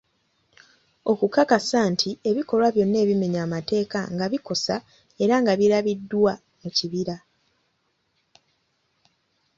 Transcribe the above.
Okukakasa nti ebikolwa byonna ebimenya amateeka nga bikosa era nga birabiddwa mu kibira.